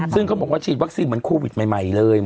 ซึ่งเขาบอกว่าฉีดวัคซีนเหมือนโควิดใหม่เลย